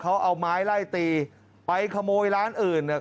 เขาเอาไม้ไล่ตีไปขโมยร้านอื่นเนี่ย